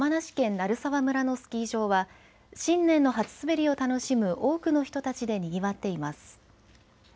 鳴沢村のスキー場は新年の初滑りを楽しむ多くの人たちでにぎわっています。